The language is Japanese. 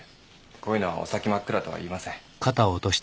こういうのはお先真っ暗とは言いません。